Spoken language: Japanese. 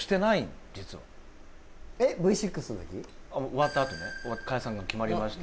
終わったあとね解散が決まりました